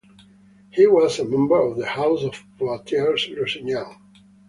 He was a member of the House of Poitiers-Lusignan.